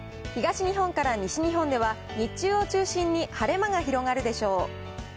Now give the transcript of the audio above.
東日本から西日本では、日中を中心に晴れ間が広がるでしょう。